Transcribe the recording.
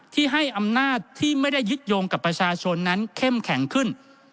ที่ให้อำนาจที่ไม่ได้ยึดโยงกับประชาชนนั้นเข้มแข็งขึ้น